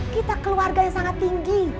kita keluarga yang sangat tinggi